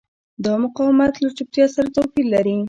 دا مقاومت له چوپتیا سره توپیر لري.